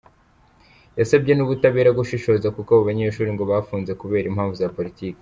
Yasabye n’ubutabera gushishoza kuko abo banyeshuri ngo bafunze kubera impamvu za politiki.